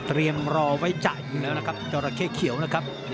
รอไว้จะอยู่แล้วนะครับจราเข้เขียวนะครับ